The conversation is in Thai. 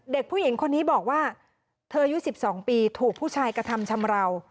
เด็กผู้หญิงคนนี้บอกว่าเธออายุ๑๒ปีถูกผู้ชายกระทำชำราว